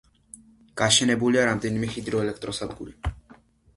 გაშენებულია რამდენიმე ჰიდროელექტროსადგური.